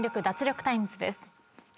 脱力タイムズ』です。